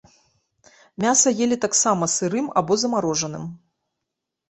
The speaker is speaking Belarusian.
Мяса елі таксама сырым або замарожаным.